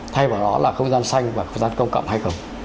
thay vào đó là không gian xanh và không gian công cộng hay không